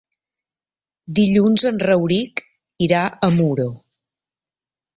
Dilluns en Rauric irà a Muro.